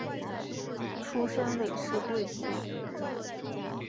出身韦氏贵族。